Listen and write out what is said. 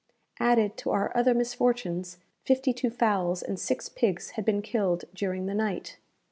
Added to our other misfortunes, fifty two fowls and six pigs had been killed during the night.